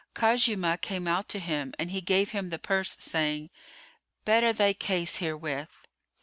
Khuzaymah came out to him, and he gave him the purse, saying, "Better thy case herewith."